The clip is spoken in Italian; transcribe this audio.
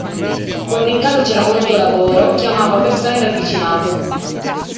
Quando in casa c'era molto lavoro chiamava persone del vicinato.